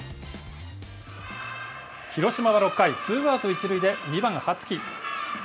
広島は６回、ツーアウト、一塁で２番羽月。